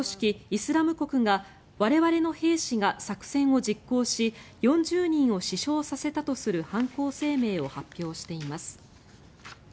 イスラム国が我々の兵士が作戦を実行し４０人を死傷させたとする犯行声明を発表しています。